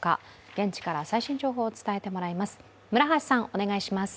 現地から最新情報を伝えてもらいます。